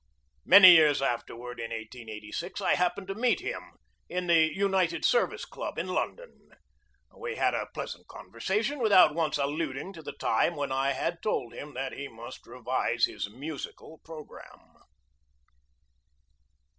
Many years afterward, in 1886, I happened to meet him in the United Service Club, in London. We had a pleasant conversation without once alluding to the time when I had told him that he must revise his musical programme.